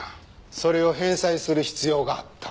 それを返済する必要があった？